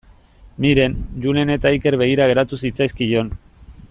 Miren, Julen eta Iker begira geratu zitzaizkion.